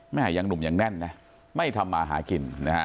แม่อย่างหนุ่มอย่างแน่นไม่ทำอาหารกิน